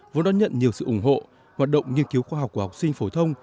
vốn đã nhận nhiều sự ủng hộ hoạt động nghiên cứu khoa học của học sinh phổ thông